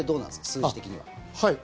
数字的には。